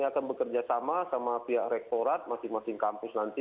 akan bekerja sama sama pihak rektorat masing masing kampus nanti